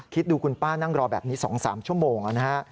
คิดดูคุณป้านั่งรอแบบนี้๒๓ชั่วโมงนะฮะ